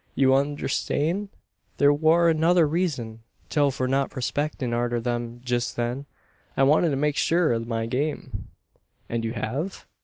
You unnerstan'? There war another reezun still for not prospectin' arter them jest then. I wanted to make shur o' my game." "And you have?"